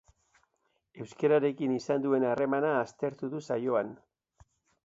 Euskararekin izan duen harremana aztertu du saioan.